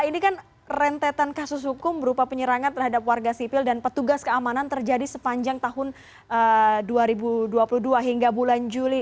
ini kan rentetan kasus hukum berupa penyerangan terhadap warga sipil dan petugas keamanan terjadi sepanjang tahun dua ribu dua puluh dua hingga bulan juli